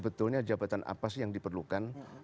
jadi ada jabatan apa sih yang diperlukan